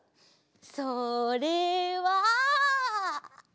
それは。